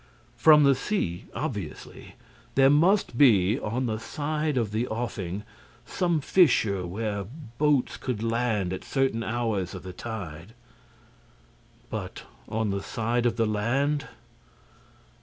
From the sea, obviously. There must be, on the side of the offing, some fissure where boats could land at certain hours of the tide. But on the side of the land?